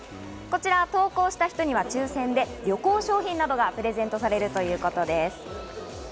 こちらに投稿した人には抽選で旅行商品などがプレゼントされるということです。